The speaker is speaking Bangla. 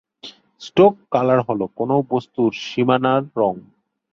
স্টোক কালার হল কোন বস্তুর সীমানার রঙ।